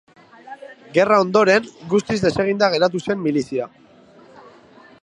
Gerra ondoren, guztiz deseginda geratu zen milizia.